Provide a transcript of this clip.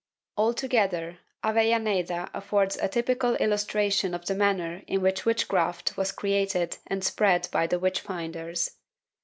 ^ Altogether, Avellaneda affords a typical illus tration of the manner in which witchcraft was created and spread by the witch finders.